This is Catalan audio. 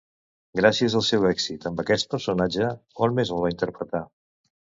Gràcies al seu èxit amb aquest personatge, on més el va interpretar?